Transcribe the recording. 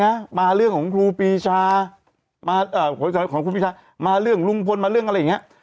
นะมาเรื่องของครูปีชามาเอ่อของครูปีชามาเรื่องลุงพลมาเรื่องอะไรอย่างเงี้ย